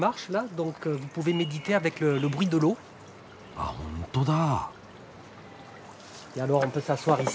あっほんとだ。